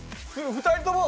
２人とも。